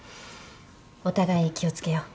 お互い気を付けよう。